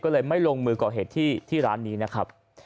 ก็เลยไม่ลงมือก่อเหตุที่ร้านนี้นะครับ